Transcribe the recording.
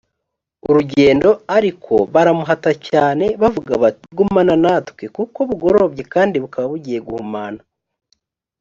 urugendo ariko baramuhata cyane bavuga bati gumana natwe kuko bugorobye kandi bukaba bugiye guhumana